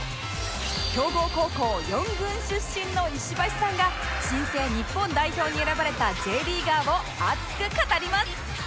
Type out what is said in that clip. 強豪高校４軍出身の石橋さんが新生日本代表に選ばれた Ｊ リーガーを熱く語ります